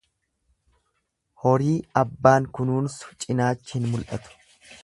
Horii abbaan kunuunsu cinaachi hin mul'atu.